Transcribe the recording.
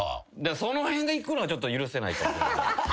その辺が行くのはちょっと許せない。